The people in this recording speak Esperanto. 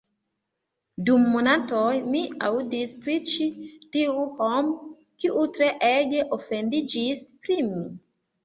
Dum monatoj, mi aŭdis pri ĉi tiu homo, kiu treege ofendiĝis pri mi